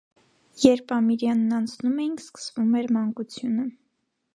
Երբ Ամիրյանն անցնում էինք, սկվում էր մանկությունը…